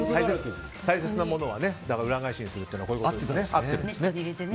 大切なものは裏返しにするというのは合ってるんですね。